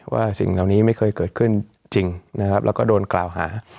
สิ่งเหล่านี้ไม่เคยเกิดขึ้นจริงนะครับแล้วก็โดนกล่าวหา